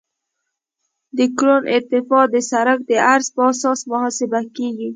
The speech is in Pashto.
د کرون ارتفاع د سرک د عرض په اساس محاسبه کیږي